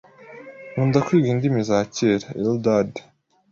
Nkunda kwiga indimi za kera. Eldad)